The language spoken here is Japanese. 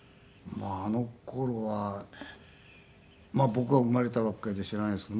まあ僕は生まれたばっかりで知らないですけど。